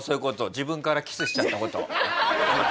自分からキスしちゃった事。